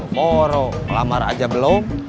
moro ngelamar aja belum